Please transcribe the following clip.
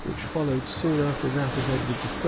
which followed soon after that of Edward III.